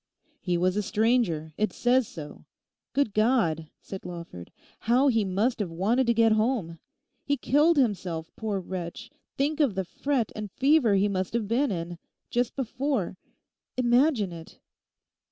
'He was a stranger; it says so. Good God!' said Lawford, 'how he must have wanted to get home! He killed himself, poor wretch, think of the fret and fever he must have been in—just before. Imagine it.